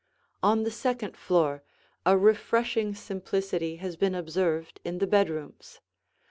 On the second floor, a refreshing simplicity has been observed in the bedrooms.